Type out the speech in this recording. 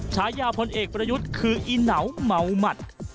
ฉายาพลเอกประยุทธ์คืออีเหนาเมาหมัด